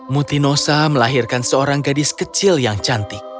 mutinosa melahirkan seorang gadis kecil yang cantik